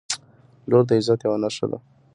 • لور د عزت یوه نښه ده.